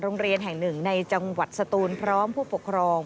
โรงเรียนแห่งหนึ่งในจังหวัดสตูนพร้อมผู้ปกครอง